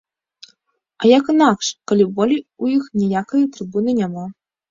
А як інакш, калі болей у іх ніякай трыбуны няма?